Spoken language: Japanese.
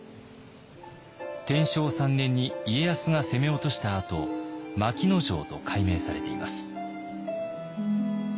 天正３年に家康が攻め落としたあと牧野城と改名されています。